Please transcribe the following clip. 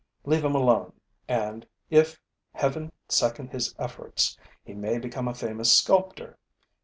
Leave him alone; and, if Heaven second his efforts, he may become a famous sculptor.